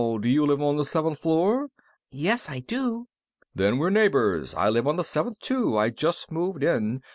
Do you live on the seventh floor?_ Yes, I do. _Then we're neighbors. I live on the seventh, too. I just moved in.